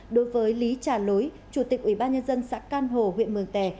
đối với lý trà lối chủ tịch ủy ban nhân dân xã can hồ huyện mường tè